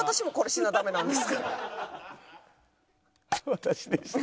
「私でした」。